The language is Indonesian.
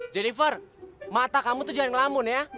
jennifer mata kamu tuh jangan ngelamun ya